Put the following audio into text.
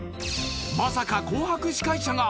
まさか「紅白」司会者が！